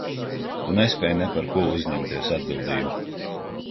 Tu nespēj ne par ko uzņemties atbildību.